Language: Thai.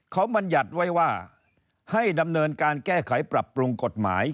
เขาบรรยัติไว้ว่าให้ดำเนินการแก้ไขปรับปรุงกฎหมาย